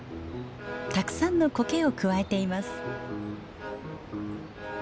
たくさんのコケをくわえています。